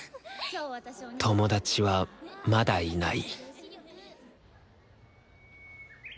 友達はまだいない